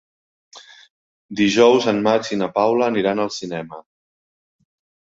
Dijous en Max i na Paula aniran al cinema.